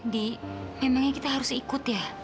di emangnya kita harus ikut ya